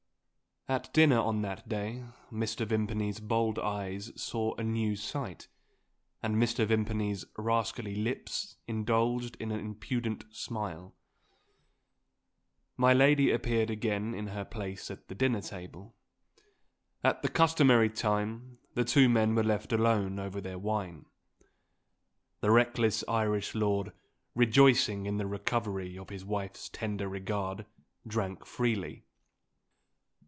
At dinner on that day Mr. Vimpany's bold eyes saw a new sight, and Mr. Vimpany's rascally lips indulged in an impudent smile. My lady appeared again in her place at the dinner table. At the customary time, the two men were left alone over their wine. The reckless Irish lord, rejoicing in the recovery of his wife's tender regard, drank freely.